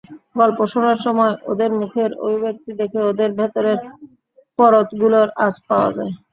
গল্প শোনার সময় ওদের মুখের অভিব্যক্তি দেখে ওদের ভেতরের পরতগুলোর আঁচ পাওয়া যায়।